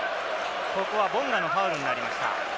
ボンガのファウルになりました。